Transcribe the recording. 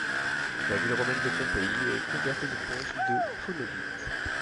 La ville romaine de Pompéi est couverte de ponce de phonolite.